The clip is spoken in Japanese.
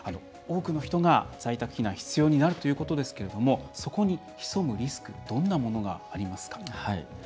多くの人が在宅避難必要になるということですけどもそこに潜むリスクどんなものがありますか？